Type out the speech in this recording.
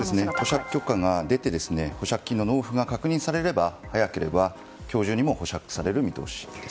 保釈許可が出て保釈金の納付が確認されれば早ければ今日中にも保釈される見通しです。